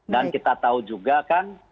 dan kita tahu juga kan